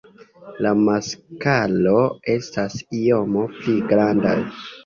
La masklo estas iom pli grandaj.